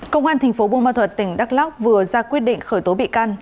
công an tp bông ma thuật tỉnh đắk lóc vừa ra quyết định khởi tố bị can